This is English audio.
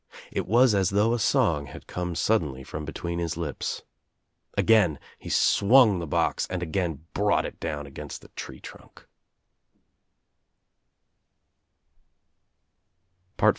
It was as though a song had come sud denly from between his lips. Again he swung the box and again brought it down against the tree trunk.